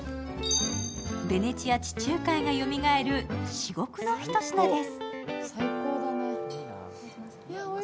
ベネチア地中海がよみがえる至極の一品です。